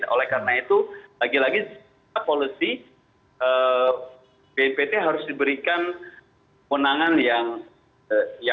oleh karena itu lagi lagi setelah policy bnpt harus diberikan penangan yang baik gitu ya